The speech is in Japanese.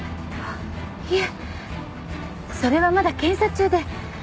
いえそれはまだ検査中で。